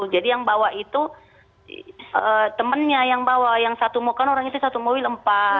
jadi yang bawa itu temennya yang bawa yang satu mobil kan orang itu satu mobil empat